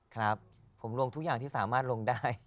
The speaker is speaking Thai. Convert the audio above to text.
ครับผมลงทุกอย่างที่สามารถลงได้